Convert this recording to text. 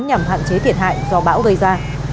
nhằm hạn chế thiệt hại do bão gây ra